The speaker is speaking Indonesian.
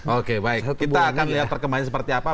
oke baik kita akan lihat perkembangannya seperti apa